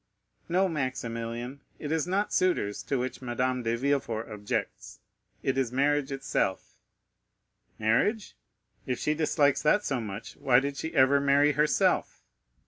"No, Maximilian, it is not suitors to which Madame de Villefort objects, it is marriage itself." "Marriage? If she dislikes that so much, why did she ever marry herself?"